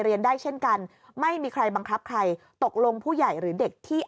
ได้เช่นกันไม่มีใครบังคับใครตกลงผู้ใหญ่หรือเด็กที่